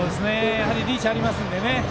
リーチありますのでね。